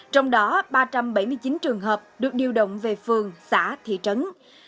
trong đó ba trăm bảy mươi chín trường hợp được điều động về phường xã thị trấn